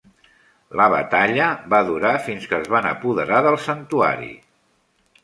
La batalla va durar fins que es van apoderar del santuari.